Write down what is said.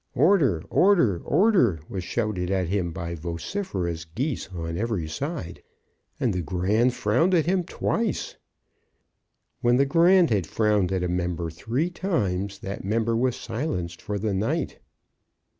"Order, order, order," was shouted at him by vociferous Geese on every side, and the Grand frowned at him twice. When the Grand had frowned at a member three times, that member was silenced for the night.